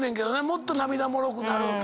もっと涙もろくなる。